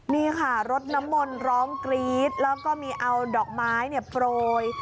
นี่ค่ะรดน้ำมนต์ร้องกรี๊ดแล้วก็มีเอาดอกไม้โปรย